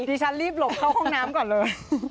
ฉันรีบหลบเข้าห้องน้ำก่อนเลย